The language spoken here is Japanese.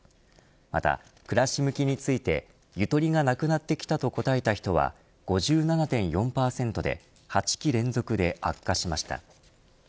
また、暮らし向きについてゆとりがなくなってきたと答えた人は５７．４％で８期連続で悪化しました。